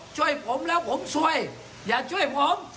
ช่วยผมแล้วผมซวยอย่าช่วยผม